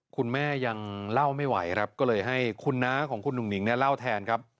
คุณแม่ยังเล่าไม่ไหวครับก็เลยให้คุณน้าของคุณหนุ่งหนิงเนี่ยเล่าแทนครับ